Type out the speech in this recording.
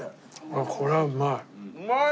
これはうまい。